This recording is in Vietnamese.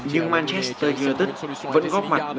nhưng manchester united vẫn góp mặt